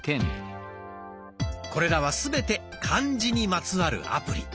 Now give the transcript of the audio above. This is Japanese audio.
これらはすべて「漢字」にまつわるアプリ。